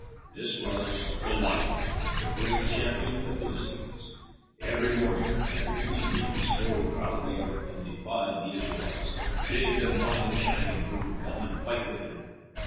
This was Goliath, the great champion of the Philistines. Every morning and every evening he strode proudly out and defied the Israelites, bidding them find a champion who would come and fight with him.